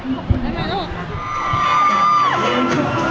ขอบคุณนะหนุ่ก